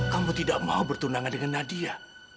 kamu tidak mau bertundangan dengan nadia